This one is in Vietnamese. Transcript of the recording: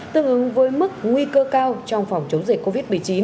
tương ứng với mức nguy cơ cao trong phòng chống dịch covid một mươi chín